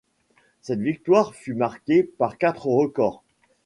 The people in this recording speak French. Cette victoire fut marquée par quatre records.